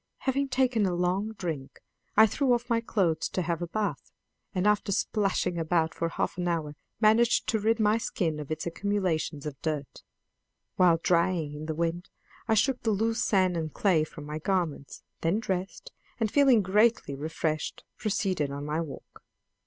Having taken a long drink, I threw off my clothes to have a bath; and after splashing about for half an hour managed to rid my skin of its accumulations of dirt. While drying in the wind I shook the loose sand and clay from my garments, then dressed, and, feeling greatly refreshed, proceeded on my walk.